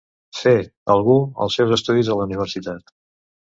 Fer, algú, els seus estudis a la universitat.